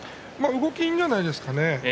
動きいいんじゃないですか。